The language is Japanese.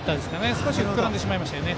少し膨らんでしまいましたよね。